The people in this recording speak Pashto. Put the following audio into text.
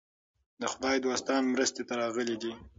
د خدای دوستان مرستې ته راغلي دي.